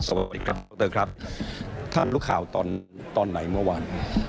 สวัสดิกับคุณดรครับถ้ามรู้ข่าวตอนไหนเมื่อวัน